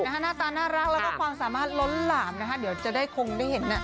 หน้าตาน่ารักแล้วก็ความสามารถล้นหลามนะคะเดี๋ยวจะได้คงได้เห็น